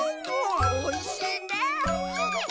おいしいね。